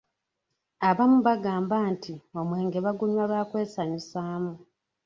Abamu bagamba nti omwenge bagunywa lwa kwesanyusaamu.